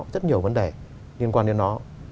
chất nhiều vấn đề liên quan đến nó